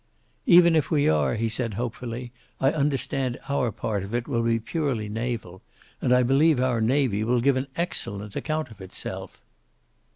"Even if we are," he said, hopefully, "I understand our part of it will be purely naval. And I believe our navy will give an excellent account of itself."